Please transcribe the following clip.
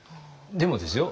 でもですよ